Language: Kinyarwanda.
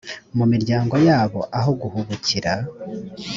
mu miryango yabo aho guhubukira